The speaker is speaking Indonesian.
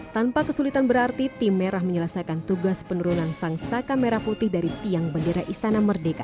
tanpa kesulitan berarti tim merah menyelesaikan tugas penurunan sang saka merah putih dari tiang bendera istana merdeka